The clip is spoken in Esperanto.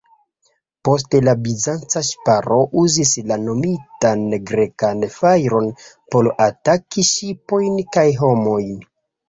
Poste la Bizanca ŝiparo uzis la nomitan Grekan fajron por ataki ŝipojn kaj homojn.